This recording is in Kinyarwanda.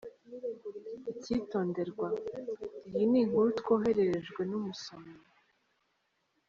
Ikitonderwa: Iyi ni inkuru twohererejwe n’umusomyi.